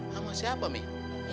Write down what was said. sama siapa mi